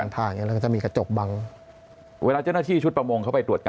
ทางอย่างนี้แล้วก็จะมีกระจกบังเวลาเจ้าหน้าที่ชุดประมงเข้าไปตรวจการ